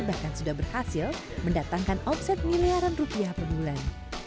bahkan sudah berhasil mendatangkan omset miliaran rupiah per bulan